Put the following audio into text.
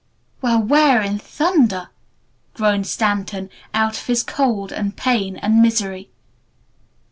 "Well, where in thunder ?" groaned Stanton out of his cold and pain and misery.